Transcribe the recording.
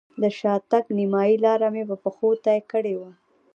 د شاتګ نیمایي لاره مې په پښو طی کړې وه.